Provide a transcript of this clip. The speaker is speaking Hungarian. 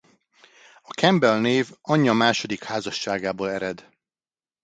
A Campbell név anyja második házasságából ered.